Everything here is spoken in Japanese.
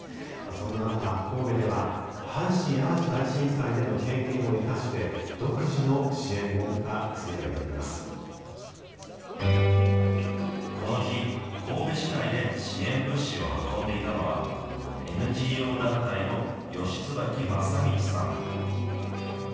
そんな中、神戸では、阪神・淡路大震災での経験を生かして、この日、神戸市内で支援物資を運んでいたのは、ＮＧＯ団体の吉椿雅道さん。